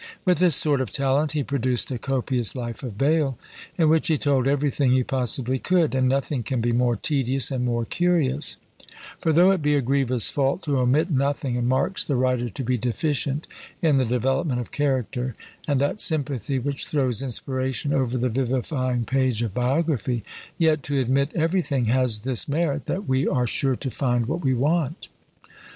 With this sort of talent he produced a copious life of Bayle, in which he told everything he possibly could; and nothing can be more tedious, and more curious: for though it be a grievous fault to omit nothing, and marks the writer to be deficient in the development of character, and that sympathy which throws inspiration over the vivifying page of biography, yet, to admit everything, has this merit that we are sure to find what we want!